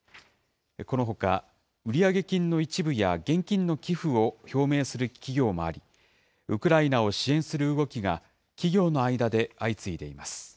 このほか、売上金の一部や現金の寄付を表明する企業もあり、ウクライナを支援する動きが、企業の間で相次いでいます。